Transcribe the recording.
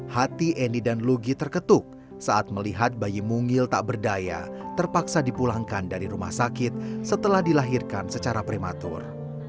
hati eni dan lugi terketuk saat melihat bayi mungil tak berdaya terpaksa dipulangkan dari rumah sakit setelah dilahirkan secara prematur